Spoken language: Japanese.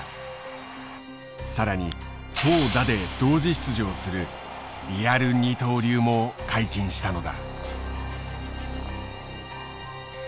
更に投打で同時出場するリアル二刀流も解禁したのだ。